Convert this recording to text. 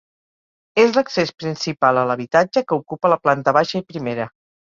És l'accés principal a l'habitatge que ocupa la planta baixa i primera.